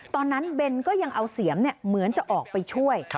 เบนก็ยังเอาเสียมเหมือนจะออกไปช่วย